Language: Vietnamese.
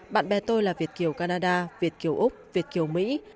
bạn bè tôi là việt kiểu canada việt kiểu úc việt kiểu mỹ